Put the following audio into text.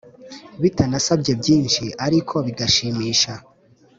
bitanasabye byinshi ariko bagashimisha